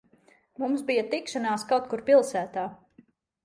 Mums bija tikšanās kaut kur pilsētā.